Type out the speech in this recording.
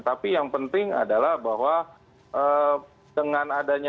tapi yang penting adalah bahwa dengan adanya